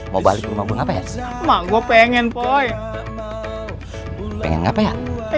mau balik rumah gue pengen poin pengen apa ya